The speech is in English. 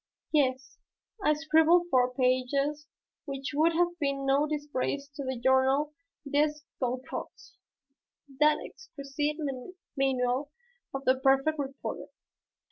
Yes, I scribbled four pages which would have been no disgrace to the Journal des Goncourts, that exquisite manual of the perfect reporter.